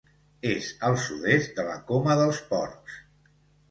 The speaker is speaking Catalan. És al sud-est de la Coma dels Porcs.